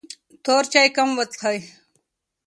تور چای کم وڅښئ.